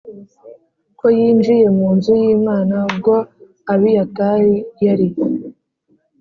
ko yinjiye mu nzu y Imana ubwo Abiyatari yari